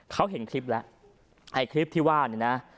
เขาเห็นคลิปแล้วไอ้คลิปที่ว่าเนี่ยนะ